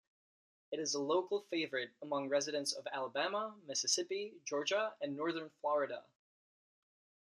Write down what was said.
It is a local favorite among residents of Alabama, Mississippi, Georgia and Northern Florida.